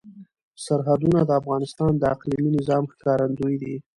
سرحدونه د افغانستان د اقلیمي نظام ښکارندوی ده.